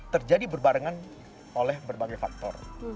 terjadi berbarengan oleh berbagai faktor